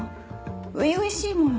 初々しいもの。